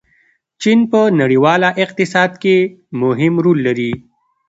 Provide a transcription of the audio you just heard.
چین په نړیواله اقتصاد کې مهم رول لري.